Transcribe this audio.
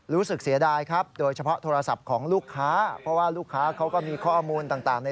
รู้สึกเสียดายครับโดยเฉพาะโทรศัพท์ของลูกค้า